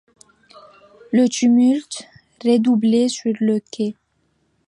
Le tumulte redoublait sur le quai.